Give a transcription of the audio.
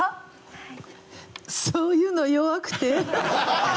はい。